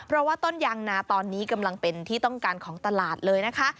เพราะว่าต้นยางนาตอนนี้กำลังเป็นที่ต้องการของตลาดเลยนะคะ